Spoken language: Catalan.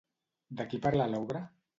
De qui parla l'obra?